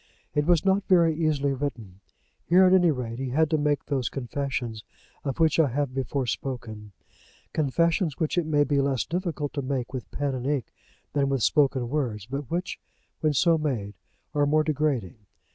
It was not very easily written. Here, at any rate, he had to make those confessions of which I have before spoken; confessions which it may be less difficult to make with pen and ink than with spoken words, but which when so made are more degrading.